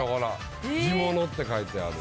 「地物」って書いてある。